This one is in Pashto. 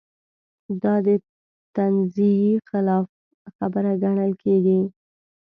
دا د تنزیې خلاف خبره ګڼل کېږي.